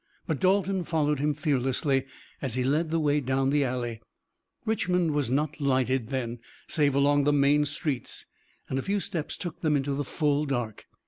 But Dalton followed him fearlessly as he led the way down the alley. Richmond was not lighted then, save along the main streets, and a few steps took them into the full dark.